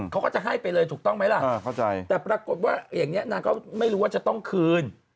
เขาก็จะให้ไปเลยถูกต้องไหมล่ะแต่ปรากฏว่าอย่างนี้นางก็ไม่รู้ว่าจะต้องคืน